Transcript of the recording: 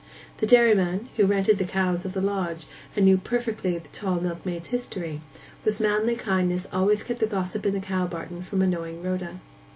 The dairyman, who rented the cows of Lodge, and knew perfectly the tall milkmaid's history, with manly kindliness always kept the gossip in the cow barton from annoying Rhoda.